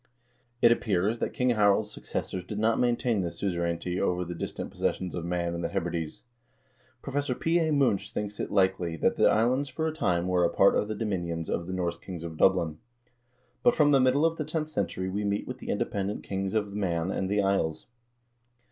It appears that King Harald's successors did not maintain the suzerainty over the distant possessions of Man and the Hebrides. Professor P. A. Munch thinks it likely that the islands for a time were a part of the dominions of the Norse kings of Dublin. But from the middle of the tenth century we meet with independent "kings of Man and the Isles."